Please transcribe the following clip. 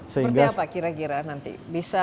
seperti apa kira kira nanti bisa